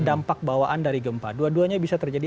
dampak bawaan dari gempa dua duanya bisa terjadi